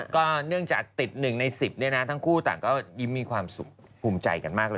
ก็เนื่องจากติด๑ใน๑๐เนี่ยนะทั้งคู่ต่างก็ยิ้มมีความสุขภูมิใจกันมากเลย